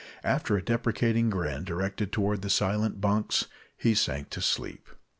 After a deprecating grin directed toward the silent bunks, he sank to sleep.